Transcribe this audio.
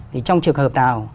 thì trong trường hợp nào